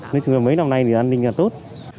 nói chung là mấy năm nay thì an ninh là tốt